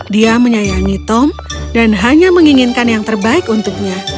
dia menyayangi tom dan hanya menginginkan yang terbaik untuknya